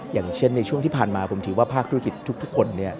อย่างเช่นในช่วงที่ผ่านมาผมถือว่าภาคธุรกิจทุกคน